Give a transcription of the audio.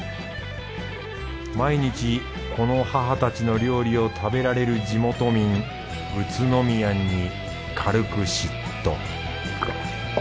毎日この母たちの料理を食べられる地元民うつのみやんに軽く嫉妬